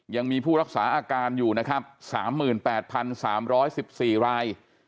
ยังมีผู้รักษาอาการอยู่นะครับ๓๘๓๑๔ราย